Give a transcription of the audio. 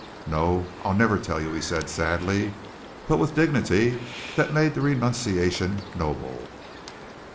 "No, I'll never tell you," he said sadly, but with dignity that made the renunciation noble.